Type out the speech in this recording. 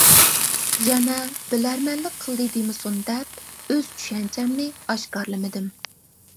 يەنە بىلەرمەنلىك قىلدى دېمىسۇن دەپ، ئۆز چۈشەنچەمنى ئاشكارىلىمىدىم.